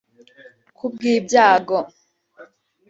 Ku bw’ibyago